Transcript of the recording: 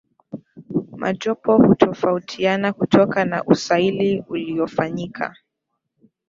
majopo hutofautiana kutoka na usaili uliyofanyika